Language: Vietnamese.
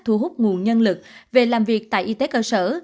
thu hút nguồn nhân lực về làm việc tại y tế cơ sở